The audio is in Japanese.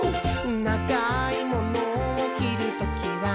「ながいモノをきるときは、」